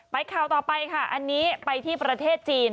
ข่าวต่อไปค่ะอันนี้ไปที่ประเทศจีน